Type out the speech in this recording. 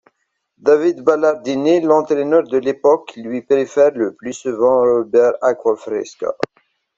Davide Ballardini, l'entraîneur de l'époque, lui préfère le plus souvent Robert Acquafresca.